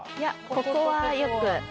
ここはよく。